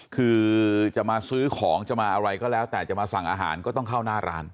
คือจะมาซื้อของจะมาอะไรก็แล้วแต่จะมาสั่งอาหารก็ต้องเข้าหน้าร้าน